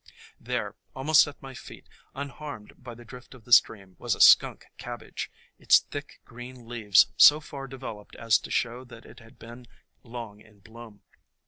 There, almost at my feet, unharmed by the drift of the stream, was a Skunk Cabbage, its thick, green leaves so far developed as to show that it had been long in bloom.